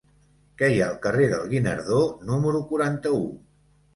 Què hi ha al carrer del Guinardó número quaranta-u?